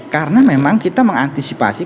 karena memang kita mengantisipasi